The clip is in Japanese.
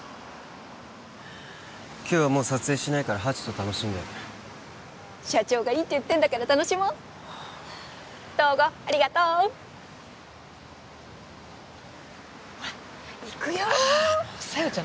今日はもう撮影しないからハチと楽しんで社長がいいって言ってんだから楽しもうっ東郷ありがとーっほらっいくよー小夜ちゃん